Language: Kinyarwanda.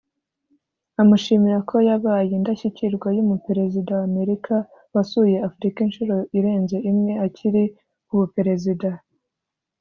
amushimira ko yabaye indashyikirwa y’umuperezida wa Amerika wasuye Afurika inshuro irenze imwe akiri ku buperezida